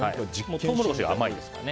トウモロコシが甘いですから。